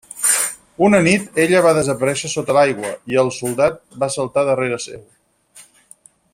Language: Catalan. Una nit, ella va desaparèixer sota l'aigua, i el soldat va saltar darrere seu.